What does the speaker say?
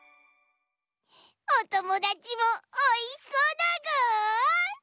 おともだちもおいしそうだぐ！